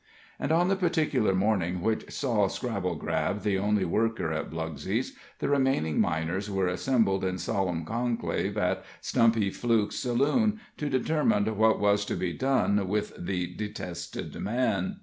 And on the particular morning which saw Scrabblegrab the only worker at Blugsey's, the remaining miners were assembled in solemn conclave at Stumpy Fluke's saloon, to determine what was to be done with the detested man.